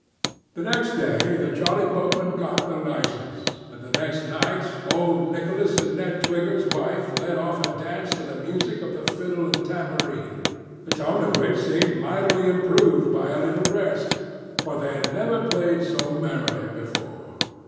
The next day, the Jolly Boatmen got the licence, and the next night, old Nicholas and Ned Twigger's wife led off a dance to the music of the fiddle and tambourine, the tone of which seemed mightily improved by a little rest, for they never had played so merrily before.